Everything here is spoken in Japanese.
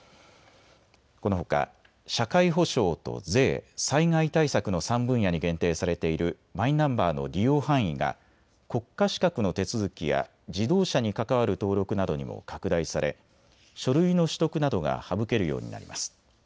このほか社会保障と税、災害対策の３分野に限定されているマイナンバーの利用範囲が国家資格の手続きや自動車に関わる登録などにも拡大され書類の取得などが省けるようになります。